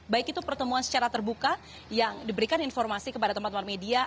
baik itu pertemuan secara terbuka yang diberikan informasi kepada teman teman media